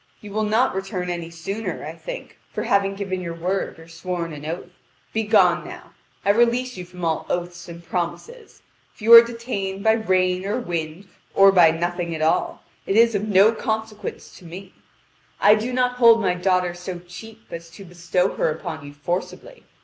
You will not return any sooner. I think, for having given your word or sworn an oath. Begone now. I release you from all oaths and promises. If you are detained by rain or wind, or by nothing at all, it is of no consequence to me. I do not hold my daughter so cheap as to bestow her upon you forcibly.